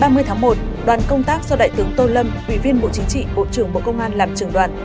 ngày ba mươi tháng một đoàn công tác do đại tướng tô lâm ủy viên bộ chính trị bộ trưởng bộ công an làm trường đoàn